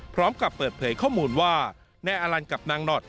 พร้อมกับเปิดเผยข้อมูลว่านายอลันกับนางหนอด